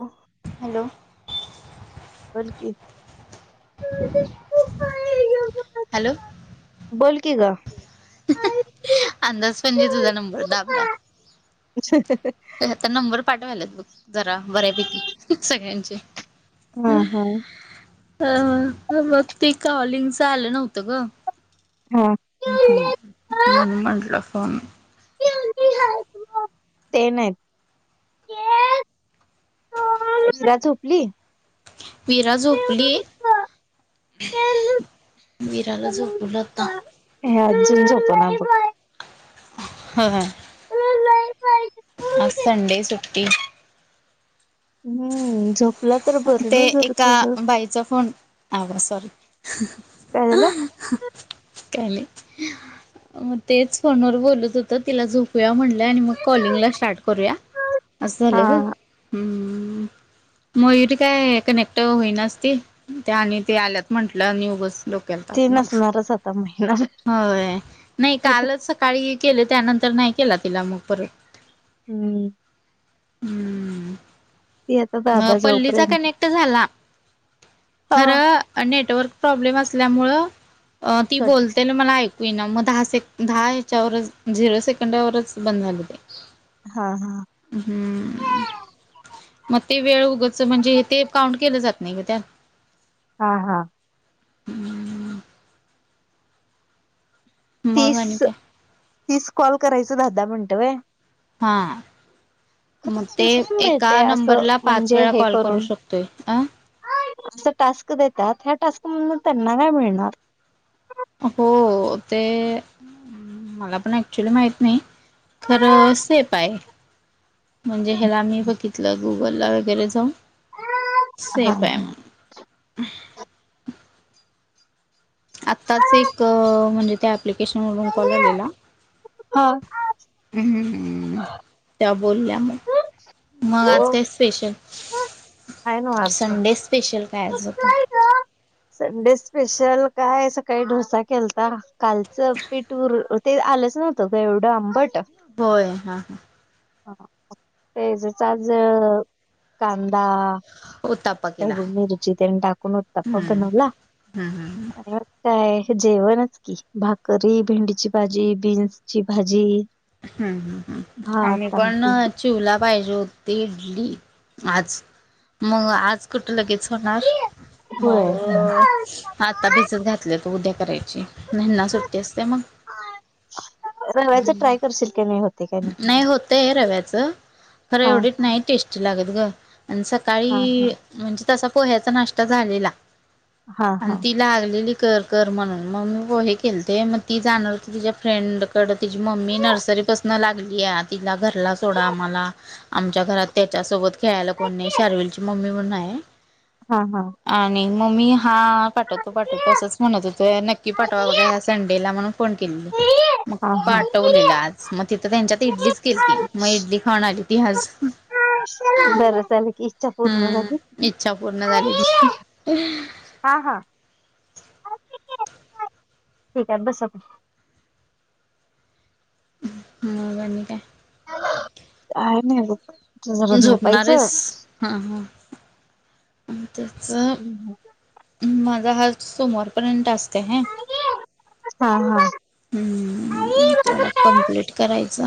ह [inaudible] हॅलो बोल की [inaudible] [inaudible] हॅलो बोल की ग अंदाज पनची तुझा नंबर दाबला [inaudible] आता नंबर पाठवायलाच ब जरा बऱ्यापैकी सगळ्यांचे हा हा अ मग ते कॉलिंगच आलं नव्हतं ग हा ह् मन म्हंटलं फोन ते नाही तड [unintelligible] झोपली विरा झोपली विराला झोपलं आता हे अज्जून झोपणार बघ ह हां [unintelligible] आज संडे सुट्टी हम्म झोप ते एका बाईचा फोन आवा सॉरी काय झालं? काय नाही मग तेच फोनवर बोलत होत तिला झोपूया म्हण काय नाही मग कॉलिंगला स्टार्ट करूया असं हा झालं ग मयुरी काय कनेक्ट होई नसते त्या आणि ते आल्यात म्हंटलं उगाच बस लोक ती केलतात म नसणारच आता महिना होय नाही कालच स काळी केले त्यानंतर नाही केला तिला मग परत. हम्म. हम्म. ती आता म दादा पल्लीचा जाऊपर्यंत कनेक्ट झाला खरं नेटवर्क प्रॉब्लेम असल्यामुळे ती कट बोलतेन. मला ऐकू येईना मग दहा सेक दहा ह्याच्यावरच झिरो सेकंडावरच बंद झालं ते. हा, हा. हम्म. मग ते वेळ उगच म्हणजे हे ते काउंट केलं जात नाही ग त्यात. हा, हा. मग तीस, आणि काय तीस कॉल करायच राहता म्हणतोय हा. खरं मग ते त्यांना काय एका मिळतय असं नंबरला पाच वेळा कॉल करू शकतोय. अ.. अस टास्क देतात ह्या टास्क म्हधुन त्यांना काय मिळणार? हो ते.. मला पण ऍक्च्युली माहीत नाही खरं सेप आहे म्हणजे ह्याला मी बघितलं गुगल ला वगैरे जाऊन हा सेफ हाय म्हणे आत्ताच एक म्हणजे त्या ॲप्लिकेशनवरून कॉल आलेला. हा.. हम्म त्या बोलल्या मग, मग हो आज काय स्पेशल? हाय नव्ह असं संडे स्पेशल खायचंत. संडे स्पेशल काय सकाळी डोसा खलता कालच पीठ उर ते आलंच नव्हतं ग एवढं आंबट. होय हा.. ते त्याच [unintelligible] आज कांदा. होता. त्यावर मिरुची ते टाकुण उतपा बणवला. काय जेवणच की भाकरी, भेंडीची भाजी, बीन्सची भाजी, हम्म, हम्म, हम्म आम्ही भात, पण आमटी शिवला पाहिजे होते इडली आज मग आज कुट लगेच. होणार होय. मग आता भिजत घातले त उद्या करायची ह्याना सुट्टी असते मग. रव्याच्या ट्राय करशील काय मी म्हणते. नाही होतेय रव्याच खर हा एवढीच नाही टेस्टी लागत ग आणि स हा हा सकाळी म्हणजे तसा पोह्याचा नाष्टा झालेला हा आणि हा ति लागलेली कर, कर म्हणून मग मी पोहे केल ते मग ती जाणर होती तिच्या फ्रेंड कडं तिची मम्मी नर्सरीपासन लागलीया तिला घरला सोडा आ मला आमच्या घरात त्याच्यासोबत खेळायला कोण नाही शार्विलची मम्मी म्हणून आहे. हा, हा. आणि मम्मी हा पाठवतो, पाठवतो असंच म्हणत होतो नक्की पाठवा बघा ह्या संडे डे ला म्हणून फोन केलेली मग हा हा पाठवेलल आज म तिथ त्यांच्या इडलीच केलती मग इडली खाऊन आली ती आज. बरं लकी इच्छा पूर्ण हम्म झाली. इच्छा पूर्ण झाली तिची हा हा ठीक आहे बस हो वणी काय? काय नाही ग जरा झोपायचं. हां हां आणि त्याचं माझा हाल सोमवारपर्यंत असत आहे हा हा हम्म तेवढा कम्प्लीट करायच.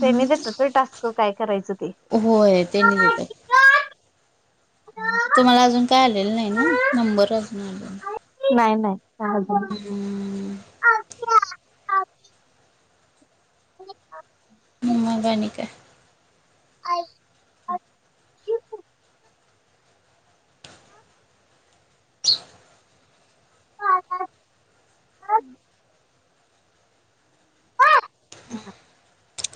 ते मी देतात त टास्क काय करायचं ते होय तेनी देतात तुम्हाला अजून काय आलेलं नाही ना नंबर अजून आलेला नाही नाही ह मादाण का आहेत [inaudible] हम.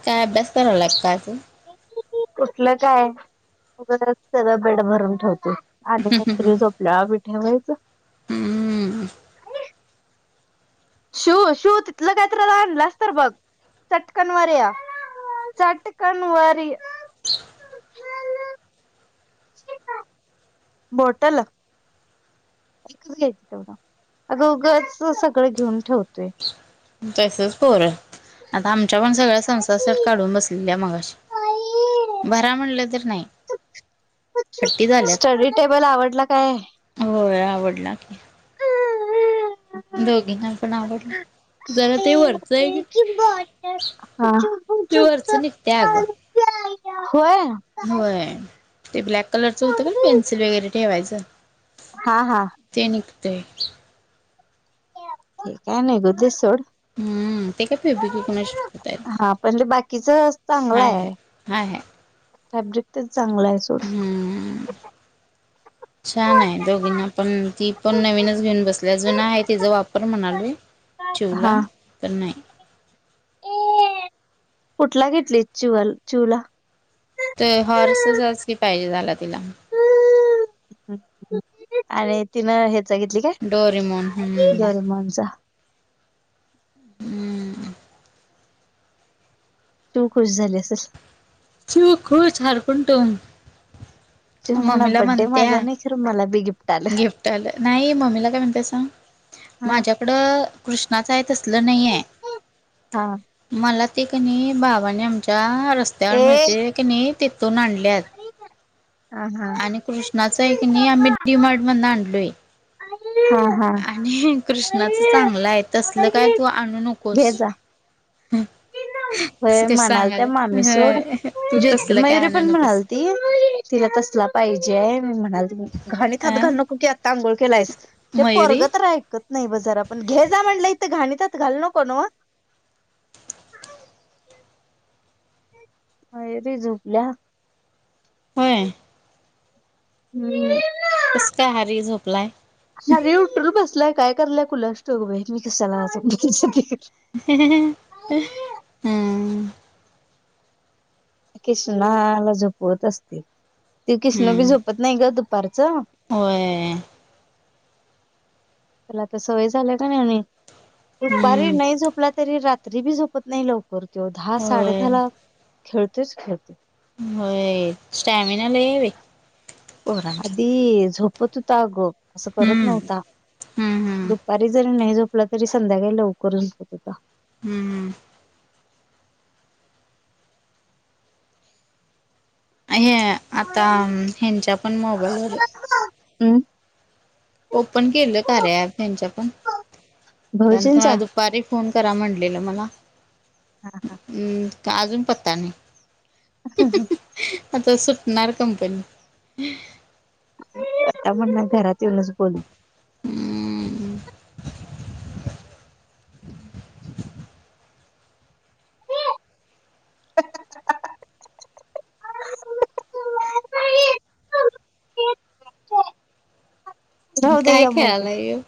काय अभ्यास कराव लाग का असं कुठलं काय सगळं बेड भरून ठेवते आणि नंतरी झोपल्याला बी ठेवायच हम्म शू शू तिथलं काहीत रालं असत बघ चटकन वे या चटकण वारी [inaudible] बोटल एकच घ्यायचं तेवढं अगं उघंच सगळं घेऊन ठेवतोय तसच पोर आता आमच्या पण सगळ्या संसासाठी काढून बसलेली आहे मगाशी भरा म्हणलं तर नाही हट्टी झाल्यात स्टडी टेबल आवडला काय होय आवडला की हा दोघींना पण आवडलं जरा ते वरचंय की तिअर्स निघतेय आग होय होय ते ब्लॅक कलरचं होतं का पेन्सिल वगैरे ठेवायचं हा हा ते निघते ते काय नाही गुद्दसोड हम्म ते काय फेबिक कोणाशी शिकवताय हा पण ते बाकीच चांगलं आहे हा ह फॅब्रिक तेच चांगलं आहे सोट ह छान आहे दोघींना आपण ती पण नवीनच घेऊन बसल्या जुून आहे तिचा वापर म्हणालय चोला पनाई अ कुठला घेतली चल चिवला तर हॉर्सच की पाहिजे झाला तिला अर तिन हे घेतली डोरेमोन काय हम्म जरमणचा हम्म तू खुश झाली असेल चू खूश हरकणतो जेना बड्डे माझा म्हणत्या नाही खरं मला बी गिफ्ट आलं गिफ्ट आलं नाही हम कडं कृष्णाचं आहे तसलं नाही आहे. हा. मला ते क नाही बाबाने आमच्या रस्त्यावर ए मिळते की नाही तिथून आणलत. [unintelligible] हा हा आणि कृष्णाच आहे की नाही आम्ही डी मार्ट मधून आणलंय. हा. हा आणि कृष्णाच चांगलं आहे तसल काय तू आणू घे नकोस. जा. हम्म. होय म्हणाल त्या मामी सोड तू जोती तसलं काय मयुरी आणू पण म्हणाल नकोस ती तिला तसला पाहिजेय मी म्हणाली घाणीत अ हात घाल नकोस की आत्ता आंघोळ केलायस. हे मयुरी पोरगं तर ऐकत नाही बई जरा आपण घे जा म्हणलं इथं घाणीतात घालू नको न व. हा रे झोपल्या. होय. हम्म. कस काय हारी झोपलाय. अरे उठर बसलाय काय करलाय कुलास ठाऊक बाई मी कशला. [unintelligible] हा. कृष्णाला झोपवत असते ती कृष्ण बी हम्म झोपत नाही ग दुपारचं. होय. त्याला तर सवय झाल्या का नाही आणि दुपारी हम्म नाही झोपला तरी रात्री बी झोपत नाही लव करतोय दहा साडे होय दहा ला खेळतच खेळतो. होय स्टॅमिना लई ये बई. आधी झोपत होता अगं असं करत हम्म नव्हता हम्म हम्म दुपारी जर नाही झोपला तरी संध्याकाळी लवकर. [unintelligible] हम्म हम्म. आणि आता ह्यांच्या पण मोबाईलवर अम. ओपन केले आर्या ॲप यांचे पण त्यांचा भाऊजींचा अजून दुपारी फोन करा म्हटलेलं मला हम्म त अजून पत्ता नाही. [unintelligible] पण ते सुटणार कंपनी. आता म्हणना घरात येऊनच बोल [unintelligible] राहू दे काय ये मग खेळाला इकडं ये.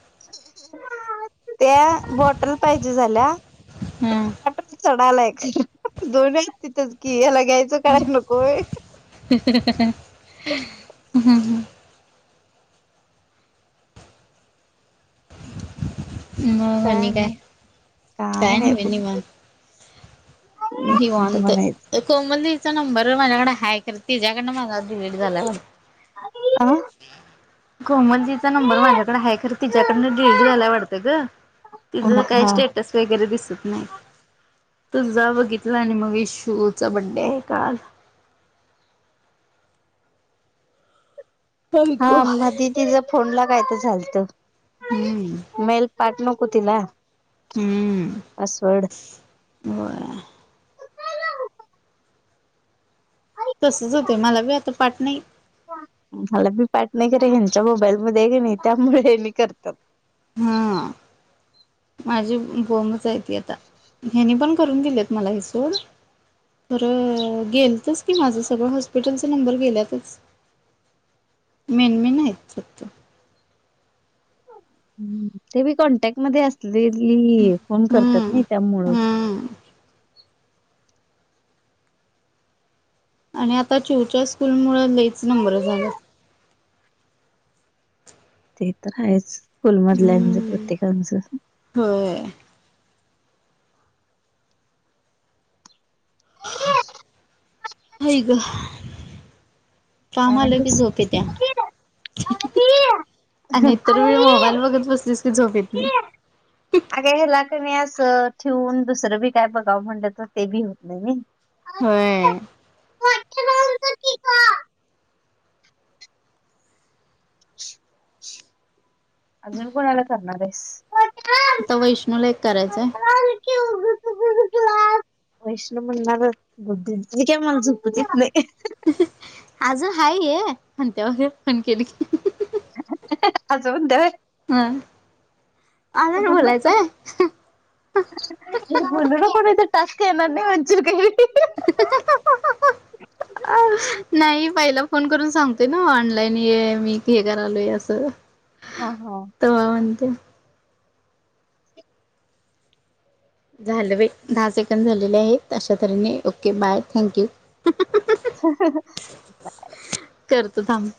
त्या बॉटल पाहिजे झाल्या हा [unintelligible] चढ आलाय दोनच तिथंच की यायाला घ्यायचं काय नकोय. हम्म हम्म हम्म. हो आणि काय काय नाही बई निवांत. निवांत कोमल दिचा नंबर माझ्याकडे हाय कर तिच्याकडन माझा डिलीट झाला. आ कोमल दिचा नंबर माझ्याकडे आहे खर तिच्याकड डिलीट झायला वाटतं ग. हा तिझं काय हा स्टेटस वगैरे दिसत नाही तुझा बघी तलान मग विशूचा बड्डे आहे काल. आई गं. हामना दि तिचा फोनला काय तर झालतं. हम्म. नाही काट नको तिला अ सोड. व्हय. तसच होत मला बी आता पाठ नाही. मला मी पाठ नाही करे ह्यांच्या मोबाईल मध्ये नाही त्यामुळे म करतात. हा. माझी दोनच आहे ती आता ह्याने पण करून दिलेत मला की सोड. तररं गेलतच की माझं सगळं हॉस्पिटलचा नंबर गेल्यातच मेनमे नाही यतो. ते बी कॉन्टॅक्ट मध्ये असलेली फोन करतात हम्म नाही त्यामुळं हम्म. आणि आता चूच्या स्कूल मुं लईच नंबर झाला. ते तर आहेच स्कूलमधल्याच प्रत्येकांचं हो. ह का? काय फमालगी म्हणलीस? झोपत्या. आणि तरर मी मोबाईल बघत बसलीस की झोपेत नाही अगे ह्याला कणी अस ठेवून दुसरं बी काय बघावं म्हंटलं तर ते बी होत नाही नाही हो अजून कोणाला करणार आहेस ता वैष्णू ला एकक करायचंय [inaudible] वैष्णव म्हणणार बुद्ध काय मला झुप त नाही अजून हाय ये आणि त्या वैर पणखीनखी असजं बद्ध हम आदर बोलायचाय ण म्हण टस्क म्हरे [unintelligible] नाही पहिला फोन करून सांगतेय ना ऑनलाईन मी हे करालोय असं हा हा तवान ते झालंे दहा सेकंड झालेले आहेत अशा तऱ्हेने ओके बाय थँक यू ह करतो थांब